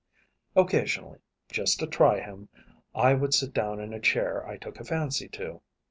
Occasionally, just to try him, I would sit down in a chair I took a fancy to.